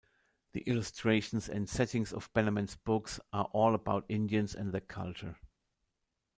The illustrations and settings of Bannerman's books are all about Indians and their culture.